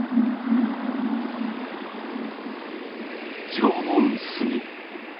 縄文杉。